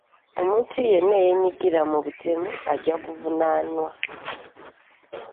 Omuntu yenna eyenyigira mu butemu ajja kuvunaanwa.